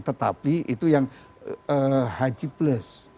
tetapi itu yang haji plus